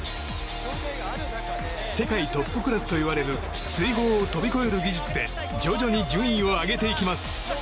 世界トップクラスといわれる水濠を飛び越える技術で徐々に順位を上げていきます。